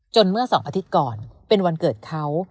เมื่อ๒อาทิตย์ก่อนเป็นวันเกิดเขา